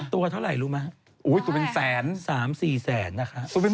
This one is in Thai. ตุ๊กตาไม่ใช่ผี